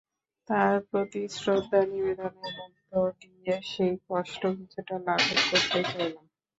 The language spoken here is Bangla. তাঁর প্রতি শ্রদ্ধা নিবেদনের মধ্য দিয়ে সেই কষ্ট কিছুটা লাঘব করতে চাইলাম।